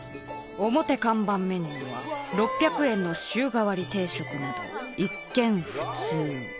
オモテ看板メニューは６００円の週替わり定食など一見普通。